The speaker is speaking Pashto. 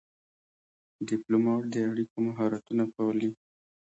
ډيپلومات د اړیکو مهارتونه پالي.